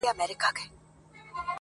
له انګلیسي ترجمې څخه٫